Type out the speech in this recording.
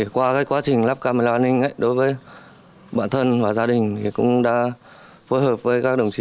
qua quá trình lắp camera an ninh đối với bản thân và gia đình cũng đã phối hợp với các đồng chí